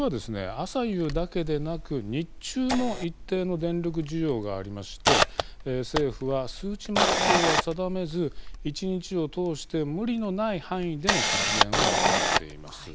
朝夕だけでなく日中も一定の電力需要がありまして政府は数値目標は定めず１日を通して無理のない範囲での節電を求めています。